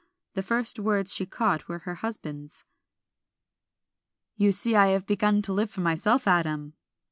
The first words she caught were her husband's. "You see I have begun to live for myself, Adam."